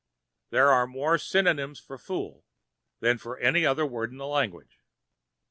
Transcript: There are more synonyms for "fool" than for any other word in the language!